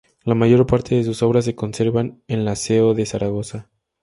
La mayor parte de sus obras se conservan en la Seo de Zaragoza.